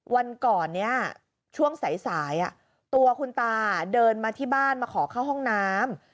วันก่อนนี้ช่วงสายตัวคุณตาเดินมาที่บ้านมาขอเข้าห้องน้ำ